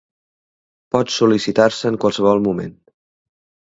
Pot sol·licitar-se en qualsevol moment.